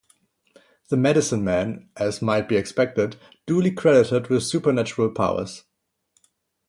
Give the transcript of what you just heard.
The medicine-man is, as might be expected, duly credited with supernatural powers.